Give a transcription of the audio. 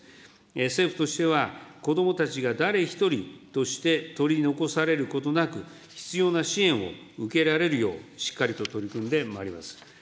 政府としては、子どもたちが誰一人として取り残されることなく、必要な支援を受けられるよう、しっかりと取り組んでまいります。